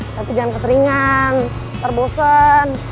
tapi jangan keseringan ntar bosen